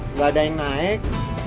nggak ada yang naik